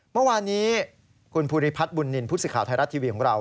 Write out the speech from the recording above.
เมื่อวานนี้คุณภูริพัฒน์บุญนินทร์ผู้สื่อข่าวไทยรัฐทีวีของเรา